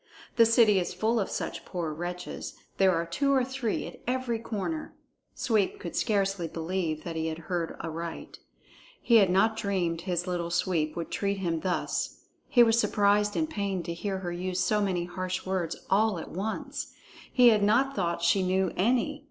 The city is full of such poor wretches; there are two or three at every corner." Sweep could scarcely believe that he had heard aright. He had not dreamed his Little Sweep would treat him thus. He was surprised and pained to hear her use so many harsh words all at once. He had not thought she knew any.